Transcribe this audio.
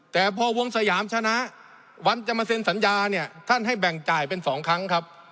แต่พอวงสยามชนะวันจะมาเซ็นสัญญาเนี่ยท่านให้แบ่งจ่ายเป็น๒ครั้งครับ